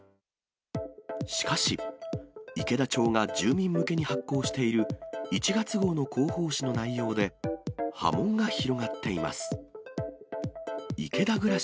しかし、池田町が住民向けに発行している１月号の広報誌の内容で、波紋が広がっています。